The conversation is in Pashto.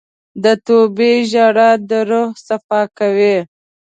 د توبې ژړا د روح صفا کوي.